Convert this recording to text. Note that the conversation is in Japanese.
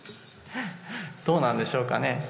どうなんでしょうかね。